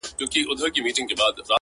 خپل مخ واړوې بل خواتــــه’